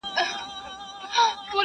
زه تر مور او پلار پر ټولو مهربان یم،